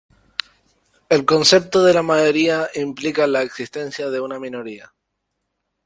El concepto de la mayoría implica la existencia de una minoría.